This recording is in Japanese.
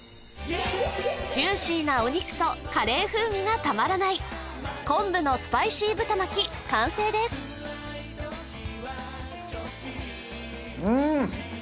ジューシーなお肉とカレー風味がたまらない昆布のスパイシー豚巻き完成ですうん！